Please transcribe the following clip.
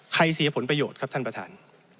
เสียผลประโยชน์ครับท่านประธาน